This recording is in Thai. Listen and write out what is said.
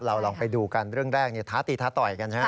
ลองไปดูกันเรื่องแรกท้าตีท้าต่อยกันใช่ไหม